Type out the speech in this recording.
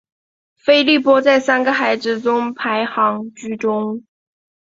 菲利波在三个孩子中排行居中。